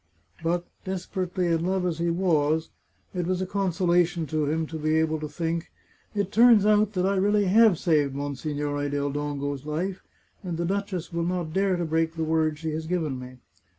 But, desperately in love as he was, it was a consolation to him to be able to think, " It turns out that I really have saved Monsignore del Dongo's life, and the duchess will not dare to break the word she has given me."